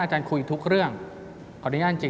แขกเบอร์ใหญ่ของผมในวันนี้